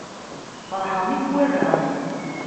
Feṛḥeɣ mi k-wallaɣ